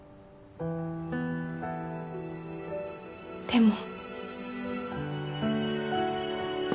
でも。